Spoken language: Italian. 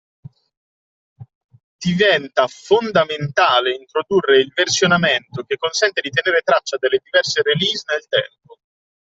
Diventa fondamentale introdurre il versionamento che consente di tenere traccia delle diverse release nel tempo.